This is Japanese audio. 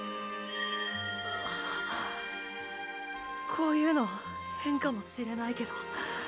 こういうの変かもしれないけど。